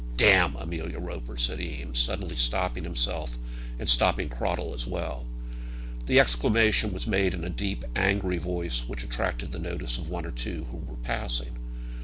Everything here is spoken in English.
"D Amelia Roper," said Eames, suddenly stopping himself and stopping Cradell as well. The exclamation was made in a deep angry voice which attracted the notice of one or two who were passing.